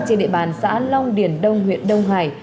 trên địa bàn xã long điền đông huyện đông hải